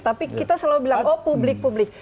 tapi kita selalu bilang oh publik publik